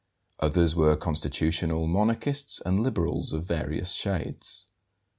Others were Constitutional Monarchists and Liberals of various shades.